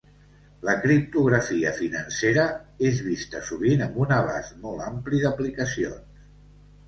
La criptografia financera és vista sovint amb un abast molt ampli d'aplicacions.